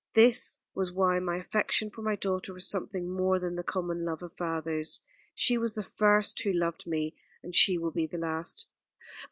This was why my affection for my daughter was something more than the common love of fathers. She was the first who loved me and she will be the last."